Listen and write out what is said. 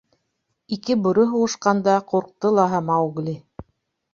Ике бүре һуғышҡанда ҡурҡты лаһа Маугли.